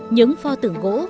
những pho tượng gỗ